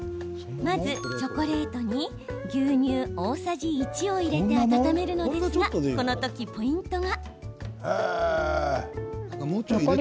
まず、チョコレートに牛乳大さじ１を入れて温めるのですがこの時ポイントが。